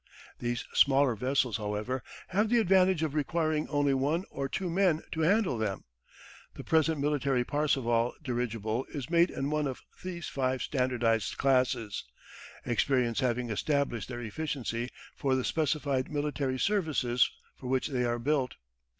These smaller vessels, however, have the advantage of requiring only one or two men to handle them. The present military Parseval dirigible is made in one of these five standardised classes, experience having established their efficiency for the specified military services for which they are built.